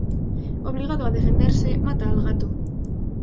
Obligado a defenderse, mata al gato.